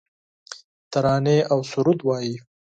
ترانې اوسرود وایې